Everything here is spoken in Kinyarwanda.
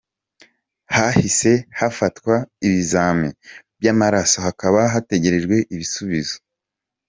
Hahise hafatwa ibizami by’amaraso hakaba hategerejwe ibisubizo.